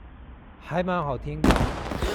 還蠻好聽的